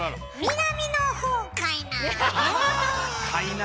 南のほうかいな。